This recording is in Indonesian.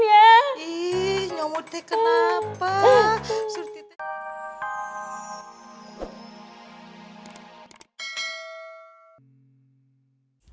iya enggak mau teken apa apa